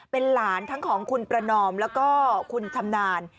เป็นหลานทั้งของคุณประนอมแล้วก็คุณชำนาญ